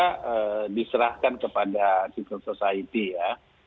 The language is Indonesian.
kita diserahkan kepada civil society ya